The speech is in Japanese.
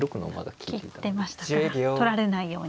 利いてましたから取られないように。